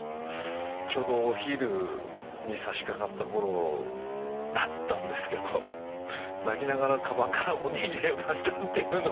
ちょうどお昼に差しかかった頃だったんですけど泣きながらかばんからおにぎりを出したっていうのが。